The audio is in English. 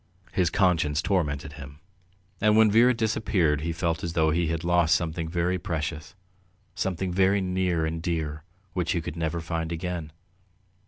His conscience tormented him, and when Vera disappeared he felt as though he had lost something very precious, something very near and dear which he could never find again.